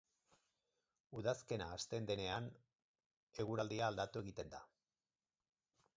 Udazkena hasten denean, eguraldia aldatu egiten da.